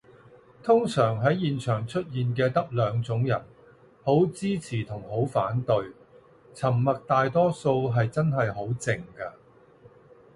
通常喺現場出現嘅得兩種人，好支持同好反對，沉默大多數係真係好靜嘅